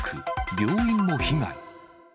病院も被害。